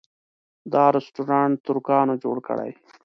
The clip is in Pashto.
دا رسټورانټ ترکانو جوړه کړې.